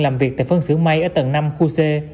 làm việc tại phân xử mây ở tầng năm khu c